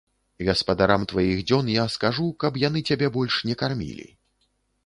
Гаспадарам тваіх дзён я скажу, каб яны цябе больш не кармілі.